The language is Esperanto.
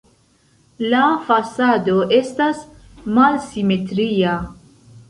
La fasado estas malsimetria.